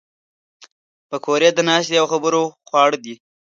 پکورې د ناستې او خبرو خواړه دي